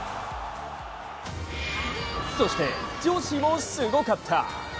そして、女子もすごかった！